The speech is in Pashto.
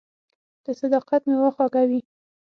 • د صداقت میوه خوږه وي.